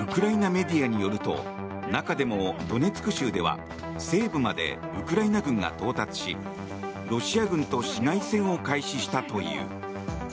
ウクライナメディアによると中でもドネツク州では西部までウクライナ軍が到達しロシア軍と市街戦を開始したという。